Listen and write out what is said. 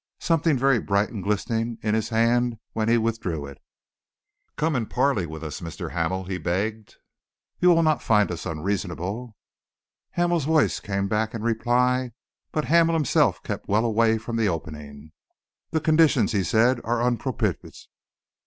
Something very bright was glistening in his hand when he withdrew it. "Come and parley with us, Mr. Hamel," he begged. "You will not find us unreasonable." Hamel's voice came back in reply, but Hamel himself kept well away from the opening. "The conditions," he said, "are unpropitious.